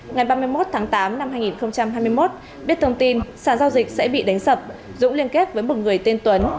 ngày ba mươi một tháng tám năm hai nghìn hai mươi một biết thông tin sản giao dịch sẽ bị đánh sập dũng liên kết với một người tên tuấn